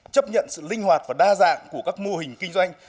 chấp nhận sự linh hoạt và đa dạng của các mô hình kinh doanh